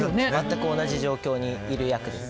全く同じ状況にいる役です。